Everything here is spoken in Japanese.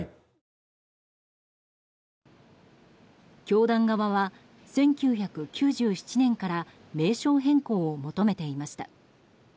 教団側は１９９７年から名称変更を求めていました。